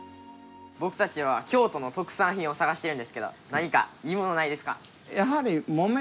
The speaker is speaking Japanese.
ぼくたちは京都の特産品をさがしてるんですけど何かいいものないですか？